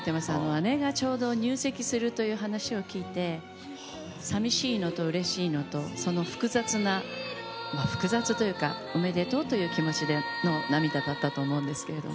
姉が入籍するという話を聞いてさみしいのと、うれしいのとその複雑な複雑というかおめでとうという感じでその涙だったと思うんです。